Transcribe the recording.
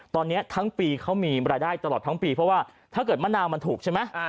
ตอนนี้ทั้งปีเขามีรายได้ตลอดทั้งปีเพราะว่าถ้าเกิดมะนาวมันถูกใช่ไหม